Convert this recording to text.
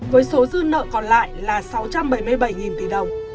với số dư nợ còn lại là sáu trăm bảy mươi bảy tỷ đồng